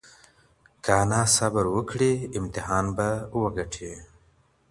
که انا صبر وکړي امتحان به وگتي.